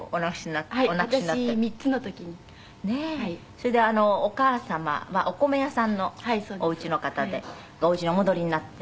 それでお母様お米屋さんのお家の方でお家にお戻りになって。